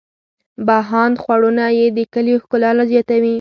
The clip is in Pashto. بهاند خوړونه یې د کلیو ښکلا لا زیاتوي.